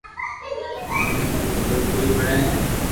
سبو ني تو خبر ڪوئي پڙي ھي